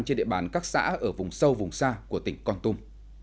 trên địa bàn các xã ở vùng sâu vùng xa của tỉnh con tum